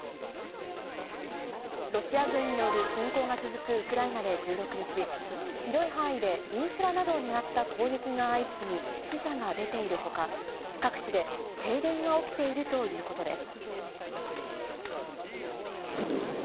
ロシア軍による侵攻が続くウクライナで１６日、広い範囲でインフラなどを狙った攻撃が相次ぎ、死者が出ているほか、各地で停電が起きているということです。